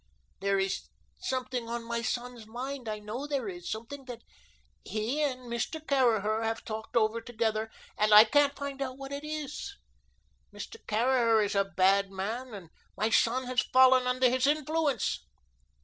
There is something on my son's mind; I know there is something that he and Mr. Caraher have talked over together, and I can't find out what it is. Mr. Caraher is a bad man, and my son has fallen under his influence."